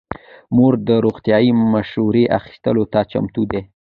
مور د روغتیايي مشورې اخیستلو ته چمتو ده.